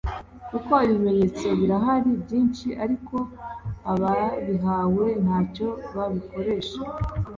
kuko ibimenyetso birahari byinshi ariko ababihawe ntacyo babikoresha